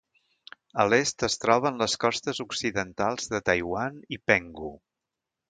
A l'est es troben les costes occidentals de Taiwan i Penghu.